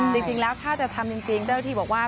จริงแล้วถ้าจะทำจริงเจ้าที่บอกว่า